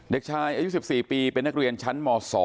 เด็กชายอายุ๑๔ปีเป็นนักเรียนชั้นม๒